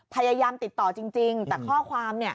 พยายามติดต่อจริงแต่ข้อความ